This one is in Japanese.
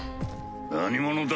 何者だ？